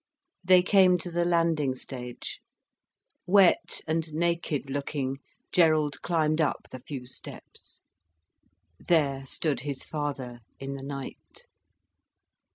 They came to the landing stage. Wet and naked looking, Gerald climbed up the few steps. There stood his father, in the night.